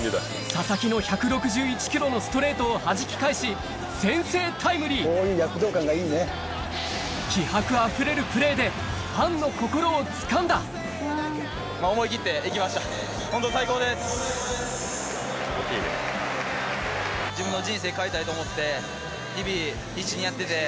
佐々木の１６１キロのストレートをはじき返し先制タイムリー気迫あふれるプレーでファンの心をつかんだ自分の。